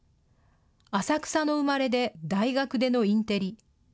浅草の生まれで大学出のインテリ。